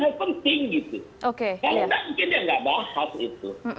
kalau gak mungkin dia gak bahas itu